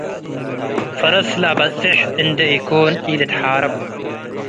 ፈረስ ለአበጹሕ እንድ-ኢኮን ኢልትሓረብ።